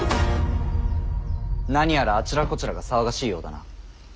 何やらあちらこちらが騒がしいようだな。